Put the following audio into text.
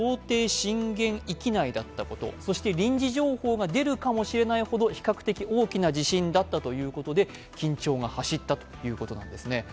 震源域内であったこと、そして臨時情報が出るかもしれないほど、比較的大きな地震だったということで緊張が走ったということなんですね。